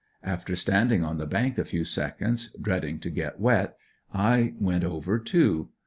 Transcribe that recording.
After standing on the bank a few seconds, dreading to get wet, I went over too.